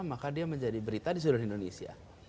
maka dia menjadi berita di seluruh indonesia